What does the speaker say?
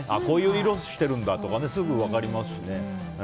こういう色してるんだとかすぐ分かりますしね。